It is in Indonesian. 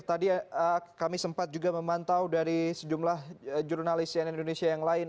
tadi kami sempat juga memantau dari sejumlah jurnalis cnn indonesia yang lain